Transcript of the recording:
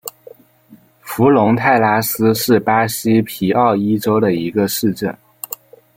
弗龙泰拉斯是巴西皮奥伊州的一个市镇。